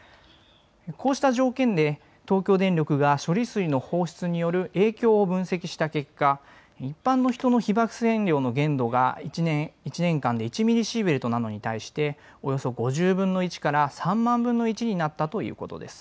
こうした条件で東京電力が処理水の放出による影響を分析した結果、一般の人の被ばく線量の限度が１年間で１ミリシーベルトなのに対しておよそ５０万分の１から３万分の１になったということです。